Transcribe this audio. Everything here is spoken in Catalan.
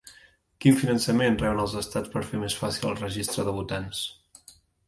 Quin finançament reben els estats per fer més fàcil el registre de votants?